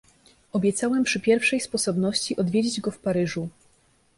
"Obiecałem przy pierwszej sposobności odwiedzić go w Paryżu."